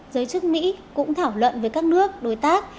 giới chức mỹ cũng thảo luận với các nước đối tác